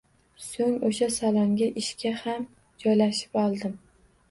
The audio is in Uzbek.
So`ng o`sha salonga ishga ham joylashib oldim